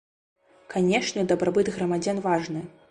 Канешне, дабрабыт грамадзян важны.